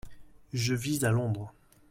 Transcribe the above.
Je vis à Londres.